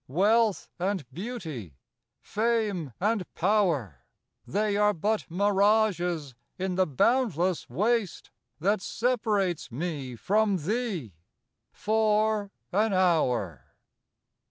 Wealth and Beauty, Fame and Power, They are but mirages in the boundless waste That separates me from thee—for an hour.